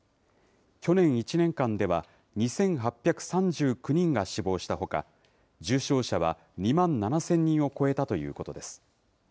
去年１年間では、２８３９人が死亡したほか、重傷者は２万７０００人を超えたということです。